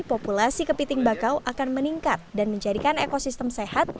populasi kepiting bakau akan meningkat dan menjadikan ekosistem sehat